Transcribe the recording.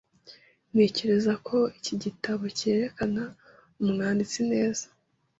Ntekereza ko iki gitabo cyerekana umwanditsi neza